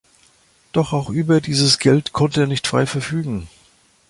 Doch auch über dieses Geld konnte er nicht frei verfügen.